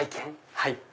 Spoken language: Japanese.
はい。